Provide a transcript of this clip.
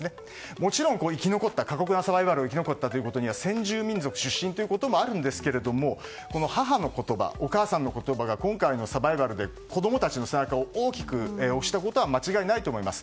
もちろん過酷なサバイバルを生き残ったということには先住民族出身ということもありますが母の言葉、お母さんの言葉が今回のサバイバルで子供たちの背中を大きく押したことは間違いないと思います。